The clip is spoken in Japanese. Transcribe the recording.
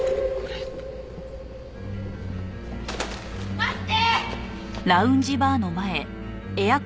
待って！